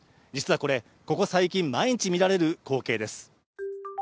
実はこれ、ここ最近、毎日見られる光景です。